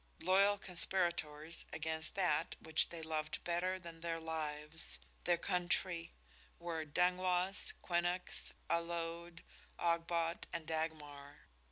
Loyal conspirators against that which they loved better than their lives their country were Dangloss, Quinnox, Allode, Ogbot and Dagmar.